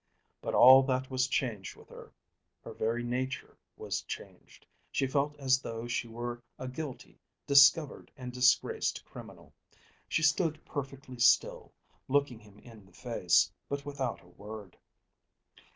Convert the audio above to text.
But all that was changed with her. Her very nature was changed. She felt as though she were a guilty, discovered, and disgraced criminal. She stood perfectly still, looking him in the face, but without a word.